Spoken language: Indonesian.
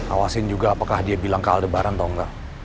awasin juga apakah dia bilang ke aldebaran tau gak